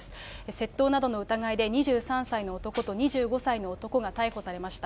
窃盗などの疑いで２３歳の男と２５歳の男が逮捕されました。